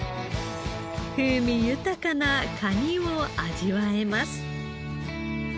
風味豊かなカニを味わえます。